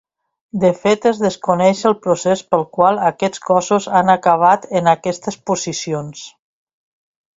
De fet es desconeix el procés pel qual aquests cossos han acabat en aquestes posicions.